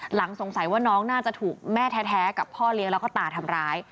หลังสงสัยว่าน้องน่าจะถูกแม่แท้กับพ่อเลี้ยงแล้วก็ตาทำร้าย